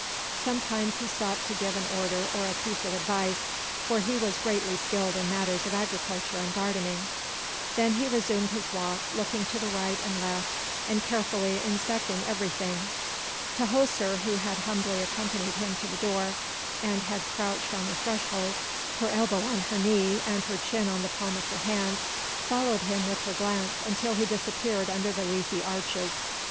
Sometimes he stopped to give an order or a piece of advice, for he was greatly skilled in matters of agriculture and gardening. Then he resumed his walk, looking to the right and left and carefully inspecting everything. Tahoser, who had humbly accompanied him to the door, and had crouched on the threshold, her elbow on her knee and her chin on the palm of her hand, followed him with her glance until he disappeared under the leafy arches.